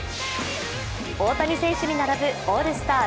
大谷選手に並ぶオールスター